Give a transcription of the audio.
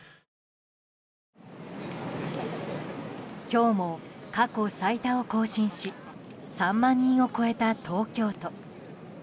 今日も過去最多を更新し３万人を超えた東京都。